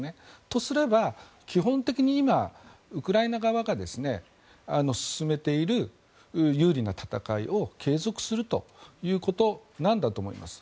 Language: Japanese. とすれば、基本的に今、ウクライナ側が進めている有利な戦いを継続するということなんだと思います。